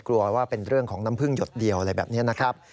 กลัวว่าเป็นเรื่องของน้ำพึ่งหยดเดียวอะไรแบบนี้นะครับ